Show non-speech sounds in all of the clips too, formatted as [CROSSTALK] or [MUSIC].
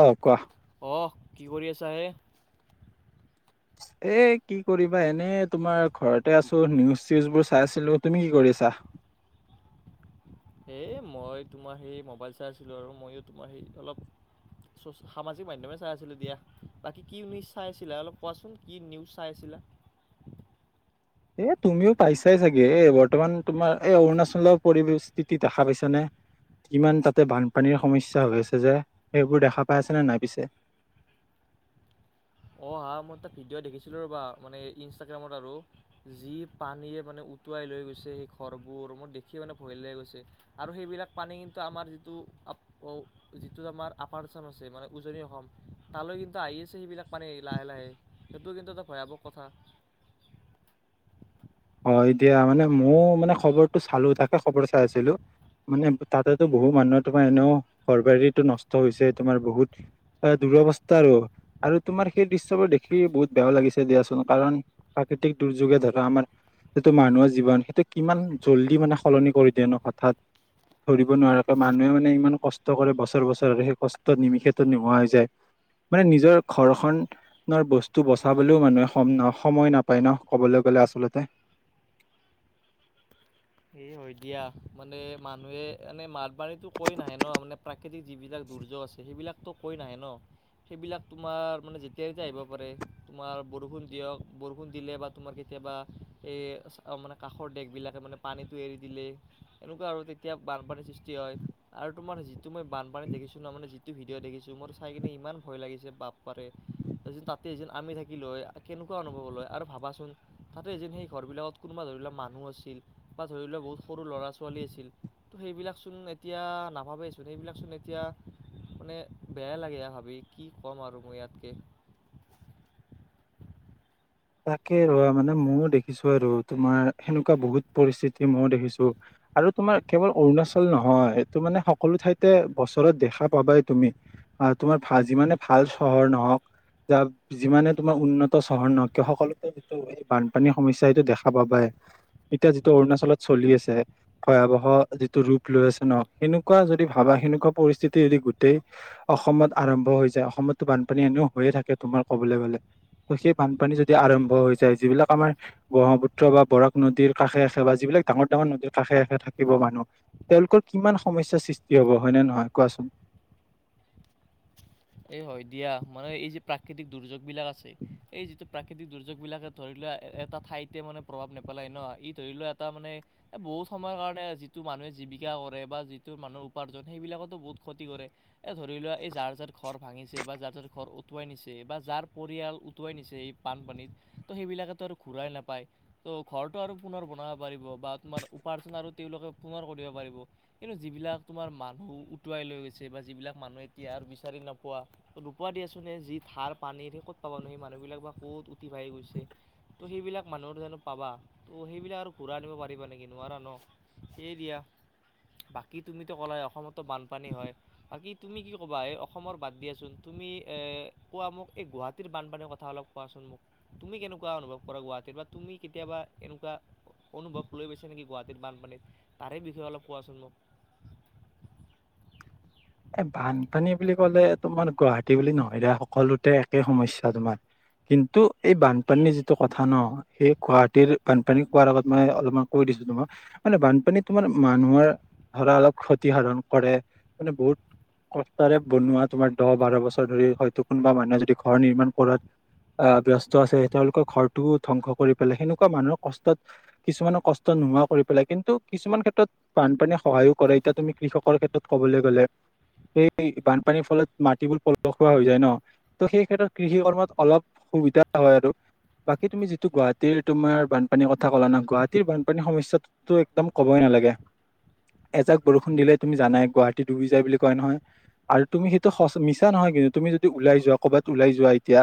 অ', কোৱা। অ', কি কৰি আছা হে? [INAUDIBLE] এ কি কৰিবা, এনেই তোমাৰ ঘৰতে আছো। নিউজ-চিউজবোৰ চাই আছিলো। তুমি কি কৰি আছা? [INAUDIBLE] এই মই তোমাৰ সেই মোবাইল চাই আছিলোঁ আৰু। ময়ো তোমাৰ সেই অলপ চছ-সামাজিক মাধ্যমে চাই আছিলো দিয়া। বাকী কি নিউজ চাই আছিলা? অলপ কোৱাচোন, কি নিউজ চাই আছিল লা। [INAUDIBLE] এ তুমিও পাইছাই চাগে। এ বৰ্তমান তোমাৰ এই অৰুণাচলৰ পৰিৱেশস্থিতি দেখা পাইছানে? কিমান তাতে বানপানীৰ সমস্যা হৈ আছে যে। সেইবোৰ দেখা পাই আছানে নাই পিছে? [INAUDIBLE] অহা মোৰ তাত ভিডিঅ' দেখিছিলো ৰ'বা, মানে এই ইনষ্টাগ্ৰামত আৰু। যি পানীয়ে মানে উটুৱাই লৈ গৈছে সেই ঘৰবোৰ। মোৰ দেখি মানে ভয় লাগি গৈছে, আৰু সেইবিলাক পানী কিন্তু আমাৰ যিটো অ', যিটোত আমাৰ আপাৰ আচাম আছে মানে উজনি অসম তালৈ কিন্তু আহি আছে সেইবিলাক পানী। লাহে লাহে সেইটো কিন্তু এটা ভয়াৱক কথা। হয় দিয়া মানে মোৰ মানে খবৰটো চালো থাকে খবৰ চাই আছিলোঁ। মানে তাতেতো বহু মানুহ তোমাৰ এনেও ঘৰ বাৰী নষ্ট হৈছে তোমাৰ বহুত। দুৰৱস্থাৰো আৰু তোমাৰ সেই দৃশ্যবোৰ দেখি বহুত বেয়া লাগিছে দিয়াচোন কাৰণ প্ৰাকৃতি দুৰ্যোগে ধৰা আমাৰ সেইটো মানুহৰ জীৱন সেইটো কিমান জল্দি মানে সলনি কৰি দিয়ে ন হঠাৎ। ধৰিব নোৱাৰাকৈ মানুহে মানে ইমান কষ্ট কৰে বছৰ বছৰেৰে সেই কষ্ট নিমিষত নোহোৱা হৈ যায়। মানে নিজৰ ঘৰখন বস্তু বচাবলৈও মানুহে ন সময় নাপায় ন ক'বলৈ গ'লে আচলতে। ত [INAUDIBLE] এই হয় দিয়া মানে মানুহে এনে মাত পানীতো কৈ নাহে ন মানে প্ৰাকৃতিক যিবিলাক দুৰ্যোগ আছে সেইবিলাকতো কৈ নাহে ন। সেইবিলাক তোমাৰ মানে যেতিয়াই যেতিয়া আহিব পাৰে তোমাৰ বৰষুণ দিয়ক বৰষুণ দিলে বা তোমাৰ তি কেতিয়াবা এই মানে কাষৰ দেশবিলাকে মানে পানীটো এৰি দিলে এনেকুৱা আৰু তেতিয়া বানপানীৰ সৃষ্টি হয় আৰু তোমাৰ মই বানপানী দেখছো ন মান ভিডিঅ' দেখিছো মোৰ চাই কিনে ইমান ভয় লাগিছে বাপ পাৰে তাতে এিন আমি থাকিল হয় কেনেকু অনুভৱ লয় আৰু ভাবাচোন তাতে যেন সেই ঘৰবিলাকত কোনোবা ধৰি ললা মানুহ আছিল। বা ধৰি লোৱা বহুত সৰু ল'ৰা ছোৱালী আছিল ত' সেইবিলাক চোন এতিয়া নাভাবাবেচোন সেইবিলাচোন এতিয়া মানে বেয়া লাগে ভাবি কি ক'ম আৰু মই ইয়াতকৈ। [INAUDIBLE] তাকে ৰোৱা মানে মইও দেখিছো আৰু তোমাৰ সেনেকুৱা বহুত পৰিস্থিতি মই দেখিছো। আৰু তোমাৰ কেৱল অৰুণাচল নহয় এইটো মানে সকলো ঠাইতে বছৰত দেখা পাবাই তুমি। আহ তোমাৰ ভাল যিমানে ভাল চহৰ নহওক বা যিমানে তোমাৰ উন্নত চহৰ নহওক। কে সকলতো যিটো এই বানপানীৰ সমস্যা এটো দেখা পাবায়ে এতিয়া যিটো অৰুণাচলত চলি আছে, ভয়াৱহ যিটো ৰূপ লৈ আছে ন' সেনকুৱা যদি ভাবা বা সনেকুৱা পৰিস্থিতি যদি গোটই অসমত আৰম্ভ হৈ যায়, অসমতো বানপানী এনেও হৈয়ে থাকে তোমাৰ ক'বলে গ'লে ত সেই বানপানী যদি আৰম্ভ হৈ যায়, যিবিলাক আমাৰ ব্ৰহ্মপুত্ৰ বা বৰাক নদীৰ কাষে আছে বা যিবিলাক ডাঙৰ ডাঙৰ নদীৰ কাষ কাষে কাষে থাকিব মানুহ। তেওঁলোকৰ কিমান সমস্যাৰ সৃষ্টি হব হয়নে নহয় কোৱাচোন? [INAUDIBLE] এই হয় দিয়া মানে এই যে প্ৰাকৃতিক দুৰ্যোগ বিলাক আছে। এই যিটো প্ৰাকৃতিক দুৰ্যোগ বিলাকে ধৰি লোৱা এটা ঠাইতে মানে প্ৰভাৱ নেপেলাই ন' ই ধৰি লোৱা এটা মানে বহুত সময়ৰ কাৰণে যিটো মানুহে জীৱিকা কৰে বা যিটো মানুহৰ উপাৰ্জন সেইবিলাকটো বহুত ক্ষতি কৰে। এ ধৰি লোৱা, এই যাৰ য'ত ভাঙিছে বা যাৰ য'ৰ ঘৰ উটুৱাই নিছে বা যাৰ পৰিয়াল উটুৱাই নিছে এই বানপানীত ত সেইবিলাকে ত আৰু ঘূৰাই নাপায় ত' ঘৰটো আৰু পুণৰ বনাব পাৰিব বা তোমাৰ উপাৰ্জন তেওঁলোকে পুণৰ কৰিব পাৰিব কিন্তু যিবিলাক তোমাৰ মানুহ উটুৱাই লৈ গৈছে বা যিবিলাক মানুহে এতিয়া বিচাৰি নোপোৱা নোপোৱা দিয়া চোন এই যি ধাৰ পানী সেই ক'ত পাব নো সেই মানুহবিলাক বা কত উটি ভাহি গৈছে ত' সেইবিলাক মানুহৰ জানো পাবা ত' সেইবিলাক আৰু ঘূৰাই আনিব পাৰিবা নেকি নোৱাৰা ন এই দিয়া। বাকী তুমিতো ক'লাই অসমতো বানপানী হয়, বাকী তুমি কি ক'বা এই অসমৰ বাদ দিয়াচোন তুমি এ কোৱা মোক এই গুৱাহাটীৰ বানপানীৰ কথা অলপ কোৱাচোন মোক। তুমি কেনে এনেকুৱা অনুভৱ কৰা গুৱাহাটীত বা তুমি কেতিয়াবা এনেকুৱা অনুভৱ লৈ গাইছা নেকি গুৱাহাটীৰ বানপানীত তাৰে বিষয়ে অলপ কোৱাচোন মোক [INAUDIBLE] এ বানপানী বুলি ক'লে তোমাৰ গুৱাহাটী বুলি নহয় দে সকলোতে একে সমস্যা তোমাৰ কিন্তু এই বানপানীৰ যিটো কথা ন' সেই গুৱাহাটীৰ বানপানী কোৱাৰ আগত মানে অলপমান কৈ তোমাৰ মানে বানপানীত তোমাৰ মানুহৰ ধৰা অলপ ক্ষতি সাধন কৰে মানে বহুত। কষ্টৰে বনোৱা, তোমাৰ দহ বাৰ বছৰ ধৰি, হয়তো কোনোবা মানুহে যদি ঘৰ নিৰ্মাণ কৰাত আহ ব্যস্ত আছে, তেওঁলোকৰ ঘৰটোও ধ্বংস কৰি পেলাই, সেনেকুৱা মানুহৰ কষ্টত, কিছুমানৰ কষ্ট নোহোৱা কৰি পেলাই, কিন্তু কিছুমান ক্ষেত্ৰত বানপানীয়ে সহায়ো কৰে, এতিয়া তুমি কৃষকৰ ক্ষেত্ৰত কবলৈ গ'লে সেই বানপানীৰ ফলত মাটিবোৰ পলসুৱা হৈ যায় ন, ত' সেই ক্ষেত্ৰত কৃষিকৰ্মত অলপ সুবিধা হয় আৰু বাকী তুমি যিটো গুৱাহাটীৰ তোমাৰ বানপানীৰ কথা ক'লা ন, গুৱাহাটীৰ বানপানীৰ সমস্যাটোততো একদম ক'বই ন নেলাগে, এজাক বৰষুণ দিলে তুমি জানাই, গুৱাহাটী ডুবি যায় বুলি। কয় নহয়, আৰু তুমি সেইটো সচ মিছা নহয় কিন্তু, তুমি যদি ওলাই যোৱা ক'বাত ওলাই যোৱা এতিয়া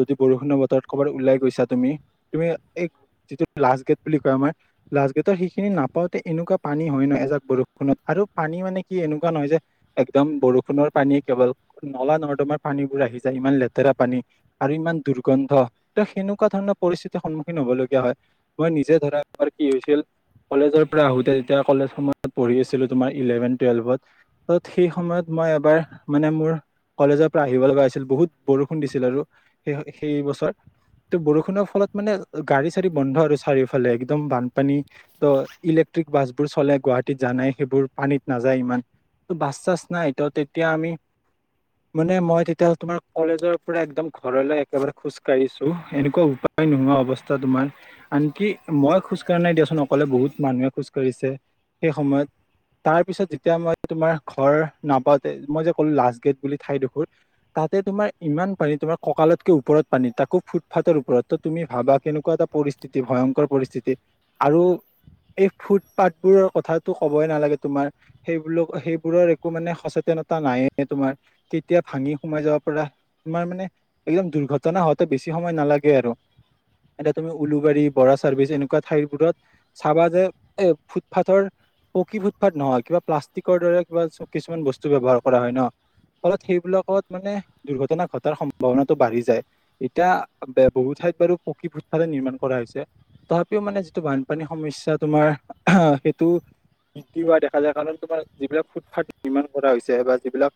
যদি বৰষুণত বতৰত ক'বাত উলাই গৈছা তুমি, তুমি এ যিটো লাষ্ট গেট বুলি কয় আমাৰ লাষ্ট গেটত সেইখিনি নাপাওঁতে, এনেকুৱা পানী হয় ন এজাক বৰষুণত আৰু পানী মানে কি এনেকুৱা নহয় যে একদম বৰষুণৰ পানী কেৱল, নলা নৰ্দমাৰ পানীবোৰ আহি যায়, ইমান লেতেৰা পানী আৰু ইমান দুৰ্গন্ধ, ত' সেনেকুৱা ধৰণৰ পৰিস্থিতিৰ সন্মুখীন হবলগীয়া হয়, মই নিজে ধৰা আমাৰ কি হৈছিল কলেজৰ পৰা আহোতে যেতিয়া কলেজ সময়ত পঢ়ি আছিলো, তোমাৰ ইলেভেন টুৱেলভত সেই সময়ত মই এবাৰ, মানে মোৰ কলেজৰ পৰা আহিব লগা হৈছিল, বহুত বৰষুণ দিছিল আৰু সেহ-সেই বছৰ ত' বৰষুণৰ ফলত মানে, গাড়ী চাঢ়ি বন্ধ আৰু চাৰিওফালে, এক্দম বানপানী ত' ইলেক ট্ৰিক বাছবোৰ চলে গুৱাহাটীত, জানাই সেইবোৰ, পানীত নাযায় ইমান বাছ চাছ নাই, ত' তেতিয়া আমি মানে মই তেতিয়াহলে, তোমাৰ কলেজৰ পৰা একদম ঘৰলৈ একেবাৰে খোজকাঢ়িছো, এনেকুৱা উ পায় নোহোৱা অৱস্থা তোমাৰ, আনকি মই খোজকঢ়া নাই দিয়াচোন অকলে, বহুত মানুহে খোজকাঢ়িছে। সেই সময়ত, তাৰ পিছত যেতিয়া আমাৰ তোমাৰ ঘৰ নাপাওঁতে, মই যে ক'লো লাষ্ট গেট বুলি ঠাইডোখুৰ তাতে তোমাৰ ইমান পানী তোমাৰ কঁকালতকে ওপৰত পানী, তাকো ফুটফাঠৰ ওপৰত, ত' তুমি ভাবা কেনেকুৱা এটা পৰিস্থিতি, ভয়ংকৰ পৰিস্থ থিতি, আৰু এই ফুট পাটবোৰৰ কথাটো ক'বই নালাগে তোমাৰ, সেইবোলো সেইবোৰৰ একো মানে সচেতনতা নাই তোমাৰ, কেতিয়া ভাঙি সোমাই যাব পৰা, তোমাৰ মানে একদম দুৰ্ঘটনা হওঁতে বেছি সময় নালাগে আৰু। এতিয়া তুমি উলুবাৰী, বৰা চাৰ্ভিচ, এনেকুৱা ঠাইবোৰত চাবা যে, এ ফুটপাটৰ পকী ফুটফাট নহয়, কিবা প্লাষ্টিকৰ দৰে, কিবা কিছুমান বস্তু ব্যৱহাৰ কৰা হয় ন। ফলত সেইবিলাকত মানে, দুৰ্ঘটনা ঘটাৰ সম্ভাৱনাটো বাঢ়ি যায়, এতিয়া বহুত ঠাইত বাৰু পকী ফুটফাটে নিৰ্মাণ কৰা হৈছে। তথাপিও মানে যিটো বানপানীৰ সমস্যয়া তোমাৰ, আহ সেইটো বৃদ্ধি হোৱা দেখা যায়, কাৰণ তোমাৰ যিবিলাক ফুটফাট নিৰ্মাণ কৰা হৈছে, বা যিবিলাক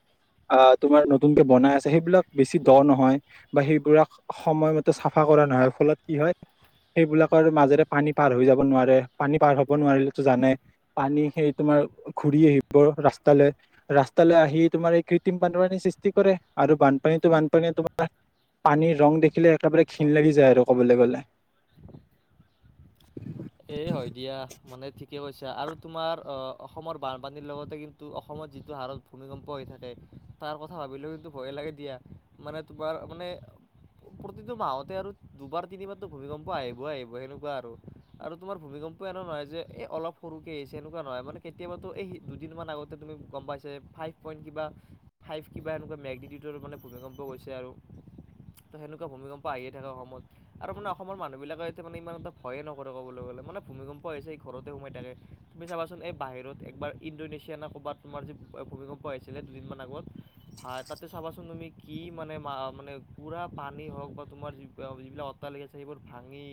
অ', তোমাৰ নতুনকে বনাই আছে, সেইবিলাক বেছি দ নহয়, বা সেইবোৰক সময়মতে চাফা ক কৰা নহয়, ফলত কি হয় সেইবিলাকৰ মাজেৰে পানী পাৰ হৈ যাব নোৱাৰে, পানী পাৰ হব নোৱাৰিলেতো জানাই, পানী সেই তোমাৰ ঘুৰি আহি ব, ৰাস্তালে, ৰাস্তালে আহি, তোমাৰ এই কৃত্ৰিম বানপানী সৃষ্টি কৰে, আৰু বানপানীতো বানপানী তোমাৰ পানীৰ ৰং দেখিলে একেবাৰে ঘীণ লাগি যায় আৰু কবলৈ গ'লে। [UNINTELLIGIBLE] এ হয় দিয়া, মানে ঠিকে কৈছা আৰু তোমাৰ, অ, অসমৰ বানপানীৰ লগতে কিন্তু অসমৰ যিটো হাৰত ভূমিকম্প হৈ থাকে, তাৰ কথা ভাবিলেও কিন্তু ভয় লাগে দিয়া, মানে তোমাৰ মানে [UNINTELLIGIBLE] প্ৰতিটো মাহতে আৰু দুবাৰ তিনিবাৰতো ভূমিকম্প আহিবই আহিব সেনেকুৱা আৰু। আৰু তোমাৰ ভূমিকম্প এনে নহয় যে এই অলপ সৰুকে আহিছে সেনেকুৱা নহয় মানে কেতিয়াবাতো এই দুদিন মান আগতে গম পাইছাই ফাইভ পইণ্ট কিবা ফাইভ কিবা এনেকুৱা মেগনিটিউটৰ মানে ভূমিকম্প গৈছে আৰু। ত' সেনেকুৱা ভূমিকম্প আহিয়ে থাকে অসমত, আৰু মানে অসমৰ মানুহ বিলাকে এতিয়া মানে ইমান এটা ভয়ে নকৰে ক'বলৈ গ'লে। মানে ভূমিকম্প হৈছে এই ঘৰতে সোমাই থাকে, তুমি চাবাচোন এই বাহিৰত এবাৰ ইণ্ডোনেছিয়া ন ক'বাত তোমাৰ যে ভু এ ভূমিকম্প আহিছিলে দুদিনমান আগত হা, তাতে চাবাচোন তুমি, কি মানে মা-মানে পুৰা পানী হওক বা তোমাৰ যি-যিবিলাক অট্ট সেইবোৰ ভাঙি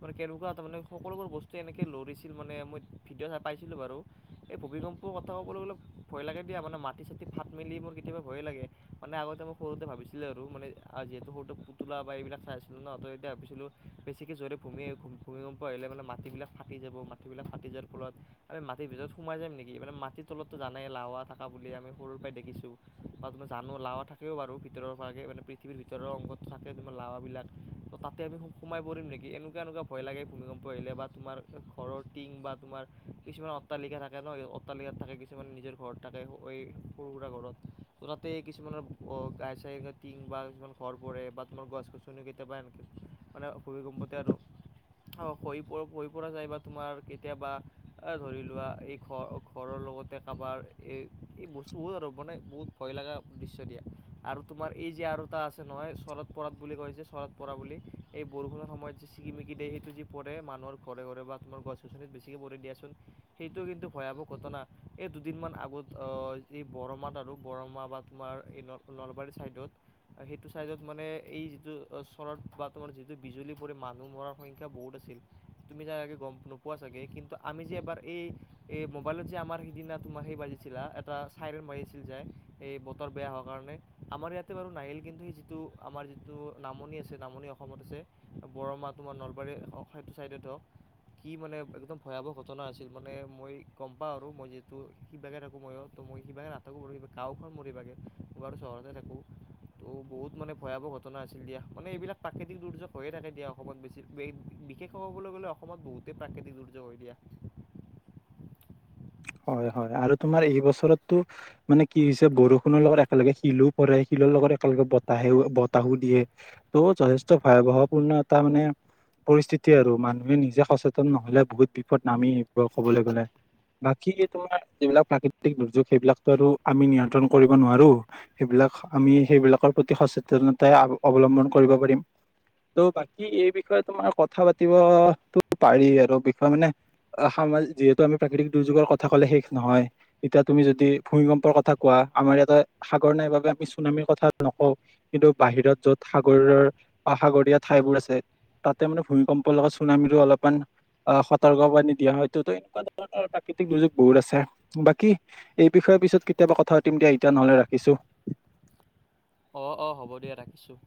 ম কেনেকুৱা মানে সকলোবোৰ বস্তু এনেকে লৰিছিল মানে মই ভিডিঅ' চটা পাইছিলো বাৰু স এই ভূমিকম্পৰ কথা ক'ব অলপ ভয় লাগে দিয়া মানে মাটি চাি ফাত মেলি মোৰ কেতিয়াবা ভয় লাগে মানে আগতে মই সৰুতে ভাবিছিলো আৰু মানে যিহেতু সৰুটো পুতলা বা এইবিলাক চাই আছিলো ন ত এয়া ভাবিছিলো বেছিকৈ জোৰে ভূমি ভূমিম্প আহে মানে মাটিবিলাক ফাটি যাব মাটিবিলাক ফাটি যোৱাৰ ফলত আমি মাটিৰ ভিতৰত সোমাই যাম নেকি মানে মাটিত সলতো জানেই লাৱা থকা বুলি আমি সৰুৰ পৰাই দেখিছোঁ বাি জানো লাৱা থাকেও বাৰু ভিতৰৰ পৰা মানে পৃথিৱীৰ ভিতৰৰ অংগ থাকে ত লাৱাব বিলাক তাতে আমি সোমাই পৰিম নেক এনেকুৱা, এনেকুৱা ভয় লাগে ভূমিকম্প আহিলে বা তোমাৰ ঘৰৰ টিং বা তোমাৰ কিছুমান অট্টালিকা থাকে ন অট্টালিকা থাকে কিছুমান নিজৰ ঘৰত থাকে সৰু সুৰা ঘৰত ততে কিছুমানৰ গাই চাই গ টিং বা কিছুমান ঘৰ পৰে বা তোমাৰ গছ- গছনি কেতিয়াবা এনকে মানে কব ভূমিকম্পতে আৰু অ', খহি হৈ পৰা যায় বা তোমাৰ কেতিয়াবা এ ধৰি লোৱা এই ঘ ঘৰৰ লগতে কাৰোবাৰ এই এই বস্তুৰ আৰু মানে বহুত ভয় লগা দৃশ্য দিয়া আৰু তোমাৰ এই যে আৰু এটা আছে নহয় শৰৎ পঠ বুলি কৈছে শৰৎ প বুলি এই বৰষুণৰ সময়ত যে ছিকিমিকি দেহিল যি পৰে মানুহৰ ঘৰে, ঘৰে বা তোমাৰ গছ গছনিত বেছিকে পৰি দিয়াচোন সেইটো কিন্তু ভয়াৱক ঘটনা এই দুদিনমান আগত এই বৰমাত আৰু বৰমা বা তোমাৰ এই নলবাৰী চাইডত সেইটো চাইডত মানে এই যিটো চৰত বা তোমাৰ যিটো বিজুলী পৰি মানুহ মৰাৰ সংখ্যা শিক্ষা বহুত আছিল তুমি চাগে গম নোপোৱা চাগে কিন্তু আমি যে এবাৰ এই মোবাইলত যে আমাৰ সিদিনা তোমাৰ সেই বাজিছিলা এটা চাইৰেণ বাজিছিল য এই বতৰ বেয়া হোৱা কাৰণে আমাৰ ইয়াতে বাৰু নাহিল কিন্তু স যিটো আমাৰ যিটো নামনি নামনি অসমত আছে বৰমা তোমাৰ নলবাৰী সেইটো চাইডত হওক কি মানে একদম ভয়াৱহ ঘটনা আছিল মানে মই গম পাওঁ আৰু মই যিহেতু কি বাকে থাকো মই মই সিবাগে নাটকো কাৰোবা গাঁওখন মোৰ সিবাগে ম বাৰু চহৰতে থাকো। ত' বহুত মানে ভয়াৱহ ঘটনা আছিল দিয়া মানে এইবিলাক প্ৰাকৃতিক দুৰ্যোগ হৈয়ে থাকে দিয়া অসমত বেছি বিশেষক ক'বলৈ গলে অসমত বহুতেই প্ৰাকৃতিক দুৰ্যোগ হৈ দিয়া। [UNINTELLIGIBLE] হয়, হয় আৰু তোমাৰ এই বছৰতটো মানে কি হৈছে বৰষুণৰ লগত একেলগে শিলো পৰে শিল বিৰ লগত একেলগে বতাহে বতাহো দিয়ে ত' যথেষ্ট ভয়াৱহপূৰ্ণ এটা মানে পৰিস্থিতি আৰু মানুহে নিজে সচেতন নহলে বহুত বিপদ নামি আহিব কবলৈ গলে বাকী তোমাৰ যিবিলাক প্ৰাকৃতিক দুৰ্যোগ সেইবিলাকতো আৰু আমি নিয়ন্ত্ৰণ কৰিব নোৱাৰো সেইবিলাক আমি সেইবিলাকৰ প্ৰতি সচেতনতাই অৱলম্বন কৰিব পাৰিম। ত' বাকী এই বিষয়ে তোমাৰ কথা পাতিবতো পাৰি আৰু বিষয়ে মানে যিহেতু আমি প্ৰাকৃতিক দুৰ্যোগৰ কথা কলে শেষ নহয় এতিয়া তুমি যদি ভূমিকম্পৰ কথা কোৱা আমাৰ ইয়াতে সাগৰ নাইব আমি চুনামীৰ কথা নকওঁ কিন্তু বাহিৰত য'ত সাগৰৰ অ সাগৰীয়া ঠাইবোৰ আছে তাতে মানে ভূমিকম্প লগা চুনামীৰো অলপমানান সতৰ্ক বানি দিয়া হয় তটো ত এনেকুৱা ধৰণৰ প্ৰাকৃতিক দুৰ্যোগ বহুত আছে বাকী এই বিষয়ে পিছত কেতিয়াবা কথা পাতিম দিয়া এতিয়া নহলে ৰাখিছো [INAUDIBLE] অ', অ', হ'ব দিয়া ৰাখিছোঁ।